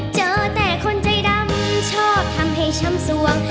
เจอแต่คนใจดำชอบทำให้ช้ำสวง